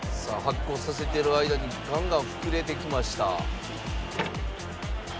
さあ発酵させてる間にガンガン膨れてきました。